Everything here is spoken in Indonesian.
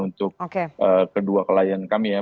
untuk kedua klien kami ya